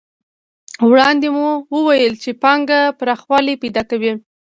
وړاندې مو وویل چې پانګه پراخوالی پیدا کوي